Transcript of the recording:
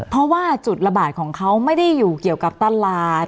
เพราะว่าจุดระบาดของเขาไม่ได้อยู่เกี่ยวกับตลาด